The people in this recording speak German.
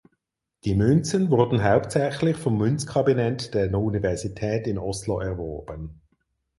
Die Münzen wurden hauptsächlich vom Münzkabinett der Universität in Oslo erworben.